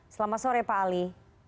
selamat sore pak ali